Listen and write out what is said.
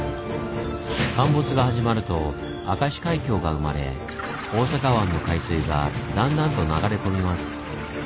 陥没が始まると明石海峡が生まれ大阪湾の海水がだんだんと流れ込みます。